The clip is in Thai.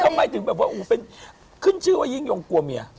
ทำไมถึงแบบว่าเป็นขึ้นชื่อว่ายิ่งยงกลัวเมีย